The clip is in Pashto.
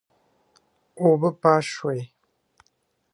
اوبه پاش شوې.